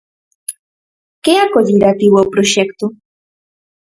Que acollida tivo o proxecto?